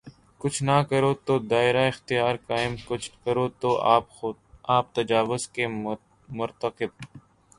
کچھ نہ کرو تو دائرہ اختیار قائم‘ کچھ کرو تو آپ تجاوز کے مرتکب۔